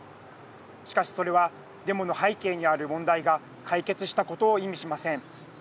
しかしそれはデモの背景にある問題が解決したことを意味しません。